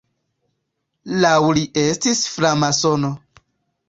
Laŭ li estis framasono.